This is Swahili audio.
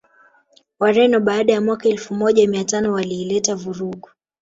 Wareno baada ya mwaka Elfu moja miatano wailileta vurugu